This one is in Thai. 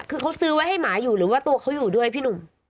คือเขาซื้อไว้ให้หมาอยู่หรือว่าตัวเขาอยู่ด้วยพี่หนุ่ม